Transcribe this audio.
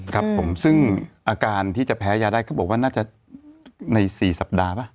ครับผมซึ่งอาการที่จะแพ้ยาได้เขาบอกว่าน่าจะใน๔สัปดาห์ป่ะ